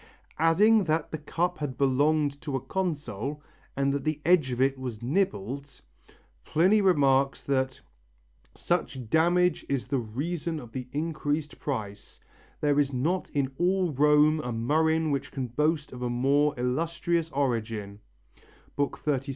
Adding that the cup had belonged to a consul, and that the edge of it was nibbled, Pliny remarks that "such damage is the reason of the increased price, there is not in all Rome a murrhine which can boast of a more illustrious origin" (XXXVII, 7).